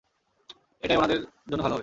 এটাই ওনাদের জন্য ভালো হবে।